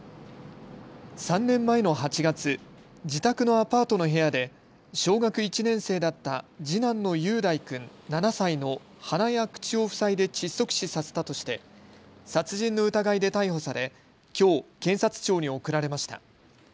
３年前の８月、自宅のアパートの部屋で小学１年生だった次男の雄大君７歳の鼻や口を塞いで窒息死させたとして殺人の疑いで逮捕されきょう、検察庁に送られました。